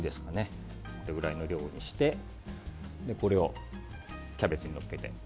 これぐらいの量にしてこれをキャベツにのっけて。